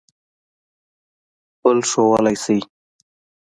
بل ښودلئ شی